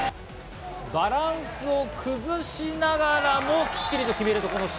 バランスを崩しながらもきっちりと決める